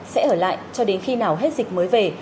sẽ ở lại cho đến khi nào hết dịch mới về